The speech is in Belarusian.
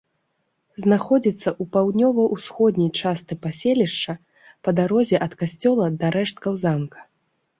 Знаходзіцца ў паўднёва-ўсходняй частцы паселішча, па дарозе ад касцёла да рэшткаў замка.